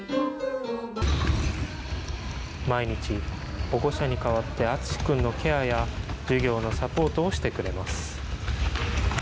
毎日、保護者に代わってあつし君のケアや授業のサポートをしてくれます。